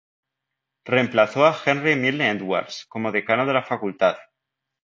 Reemplazó a Henri Milne-Edwards como decano de la facultad.